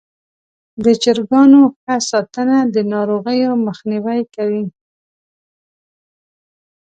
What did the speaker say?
د چرګانو ښه ساتنه د ناروغیو مخنیوی کوي.